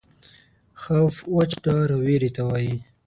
خوف وچ ډار او وېرې ته وایي.